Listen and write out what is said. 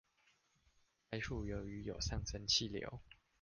該處由於有上升氣流